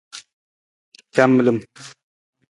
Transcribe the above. Camilim.